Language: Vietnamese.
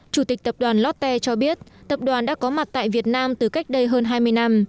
chủ tịch tập đoàn lotte cho biết tập đoàn đã có mặt tại việt nam từ cách đây hơn hai mươi năm